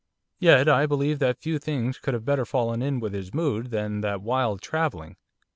Yet I believe that few things could have better fallen in with his mood than that wild travelling.